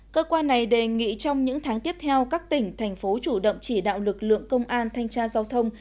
cơ quan này đề nghị trong những tháng tiếp theo các tỉnh thành phố chủ động chỉ đạo lực lượng công an thanh tra giao thông